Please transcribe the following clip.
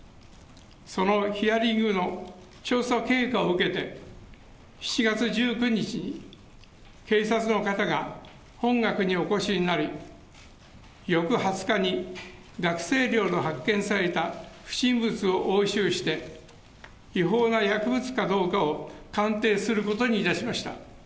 そのヒアリングの調査経過を受けて、７月１９日に警察の方が本学にお越しになり、翌２０日に学生寮の発見された不審物を押収して、違法な薬物かどうかを鑑定することにいたしました。